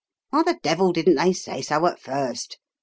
" Why the devil didn't they say so at first